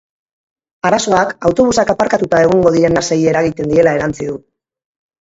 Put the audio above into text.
Arazoak autobusak aparkatuta egongo diren nasei eragiten diela erantsi du.